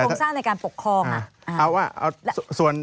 สร้างในการปกครอง